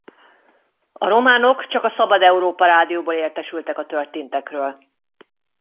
A románok csak a Szabad Európa Rádióból értesültek a történtekről.